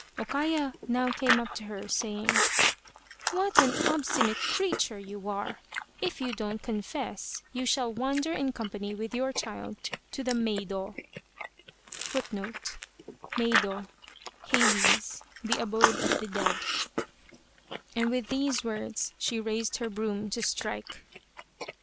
O Kaya now came up to her, saying, " What an obstinate creature you are ! If you don't confess you shall wander in company with your child to the Meido," * and with these words she raised her broom to strike.